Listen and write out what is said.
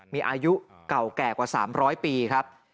มีอายุเก่าแก่กว่า๓๐๐ปีครับ